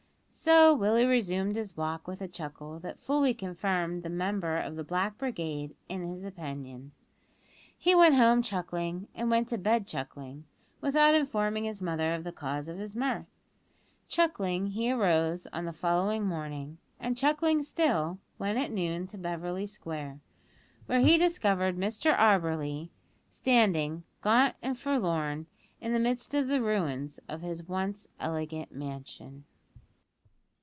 So Willie resumed his walk with a chuckle that fully confirmed the member of the black brigade in his opinion. He went home chuckling and went to bed chuckling, without informing his mother of the cause of his mirth. Chuckling he arose on the following morning, and, chuckling still, went at noon to Beverly Square, where he discovered Mr Auberly standing, gaunt and forlorn, in the midst of the ruins of his once elegant mansion.